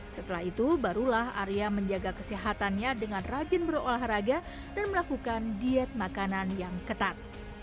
setelah itu barulah arya menjaga kesehatannya dengan rajin berolahraga dan melakukan diet makanan yang ketat